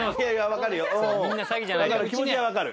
わかる気持ちはわかる。